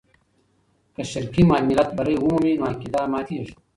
که شرقي ملت بری ومومي، نو عقیده ماتېږي.